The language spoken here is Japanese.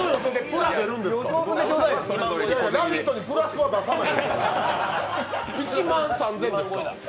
「ラヴィット！」にプラスは出さないよ、１万３０００円ですから。